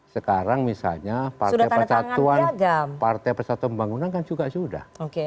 sekarang misalnya partai persatuan pembangunan kan juga sudah